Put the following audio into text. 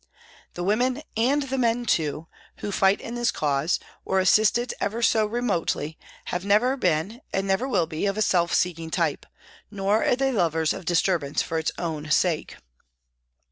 The women, and the men too, who fight in this cause, or assist it ever so remotely, have never been and never will be of a self seeking type, nor are they lovers of disturbance for its own sake.